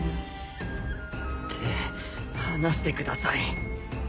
手離してください。